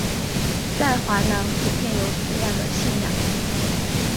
在华南普遍有此样的信仰。